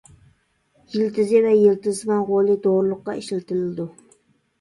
يىلتىزى ۋە يىلتىزسىمان غولى دورىلىققا ئىشلىتىلىدۇ.